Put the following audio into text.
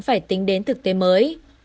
phải tính đến thực tế mới